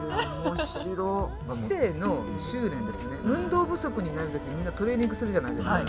運動不足になる時みんなトレーニングするじゃないですか。